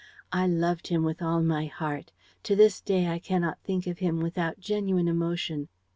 I loved him with all my heart. To this day I cannot think of him without genuine emotion.